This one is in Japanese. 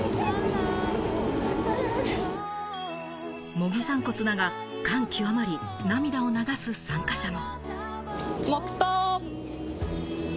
模擬散骨だが、感極まり、涙を流す参加者も。